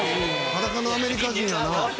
裸のアメリカ人やな」